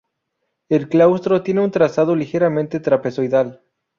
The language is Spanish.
El claustro tiene un trazado ligeramente trapezoidal.